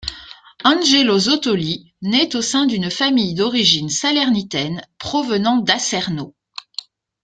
Angelo Zottoli naît au sein d'une famille d'origine salernitaine, provenant d'Acerno.